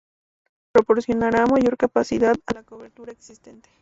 Proporcionará mayor capacidad a la cobertura existente.